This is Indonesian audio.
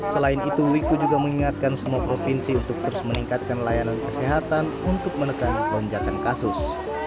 selain itu wiku juga mengingatkan semua provinsi untuk terus meningkatkan layanan kesehatan untuk menekan lonjakan kasus